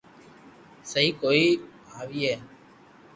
سھي ڪوئي آئئئي